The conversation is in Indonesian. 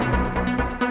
sulu beberapa kali